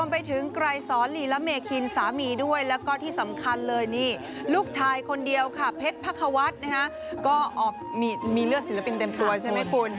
มีเลือดศิลปินเต็มตัวใช่มั้ยคุณ